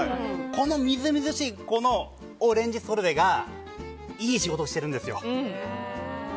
このみずみずしいオレンジソルベがいい仕事をしているんですよ。